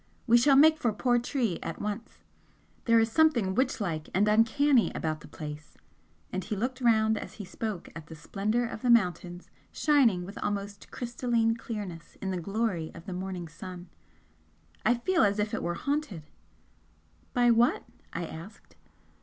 "We shall make for Portree at once. There is something witch like and uncanny about the place" and he looked round as he spoke at the splendour of the mountains, shining with almost crystalline clearness in the glory of the morning sun "I feel as if it were haunted!" "By what?" I asked.